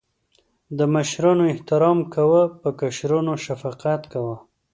د مشرانو احترام کوه.په کشرانو شفقت کوه